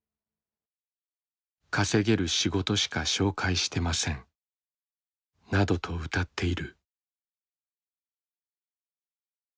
「稼げる仕事しか紹介してません」などとうたっている。